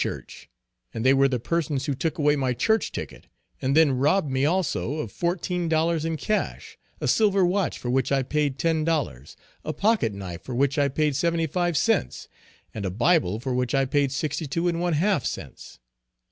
Church, and they were the persons who took away my church ticket, and then robbed me also of fourteen dollars in cash, a silver watch for which I paid ten dollars, a pocket knife for which I paid seventy five cents, and a Bible for which I paid sixty two and one half cents.